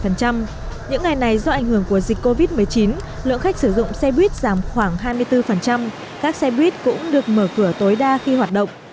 những ngày này do ảnh hưởng của dịch covid một mươi chín lượng khách sử dụng xe buýt giảm khoảng hai mươi bốn các xe buýt cũng được mở cửa tối đa khi hoạt động